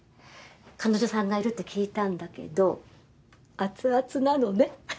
彼女さんがいるって聞いたんだけどアツアツなのね。